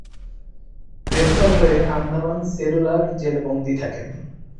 গ্রেপ্তার হয়ে আন্দামান সেলুলার জেলে বন্দী থাকেন।